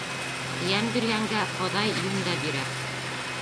Йән биргәнгә Хоҙай йүн дә бирә...